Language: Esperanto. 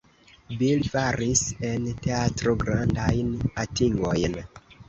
Bill faris en teatro grandajn atingojn.